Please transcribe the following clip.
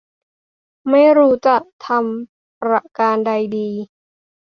ไม่รู้จะทำประการใดดี